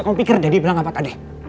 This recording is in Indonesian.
aku pikir jadi bilang apa tadi